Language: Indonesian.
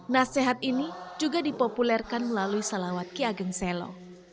nasihat ini juga dipopulerkan melalui selawat qiyagengselo